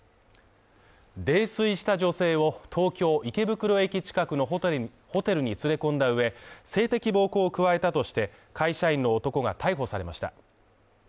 泥酔した女性を東京池袋駅近くのホテルに連れ込んだ上性的暴行を加えたとして会社員の男が逮捕されました。